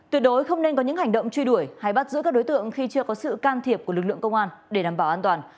tuyệt đối không nên có những hành động truy đuổi hay bắt giữ các đối tượng khi chưa có sự can thiệp của lực lượng công an để đảm bảo an toàn